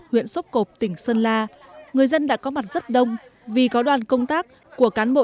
huyện sốp cộp tỉnh sơn la người dân đã có mặt rất đông vì có đoàn công tác của cán bộ